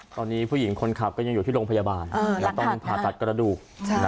ตอนนี้ผู้หญิงคนขับก็ยังอยู่ที่โรงพยาบาลต้องผ่าตัดกระดูก